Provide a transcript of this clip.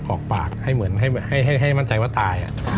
กรอกปากให้มั่นใจว่าตาย